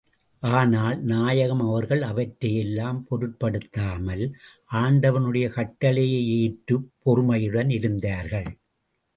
ஆனால், நாயகம் அவர்கள் அவற்றை எல்லாம் பொருட்படுத்தாமல், ஆண்டவனுடைய கட்டளையை ஏற்றுப் பொறுமையுடன் இருந்தார்கள்.